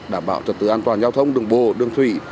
đảm bảo trật tư an toàn giao thông đường bồ đường thủy